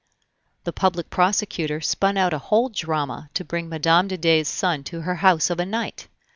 The public prosecutor spun out a whole drama to bring Mme. de Dey's son to her house of a night.